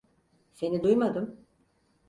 Seni duymadım.